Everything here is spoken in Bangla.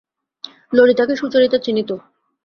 ললিতাকে সুচরিতা চিনিত।